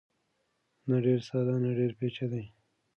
نه ډېر ساده نه ډېر پېچلی.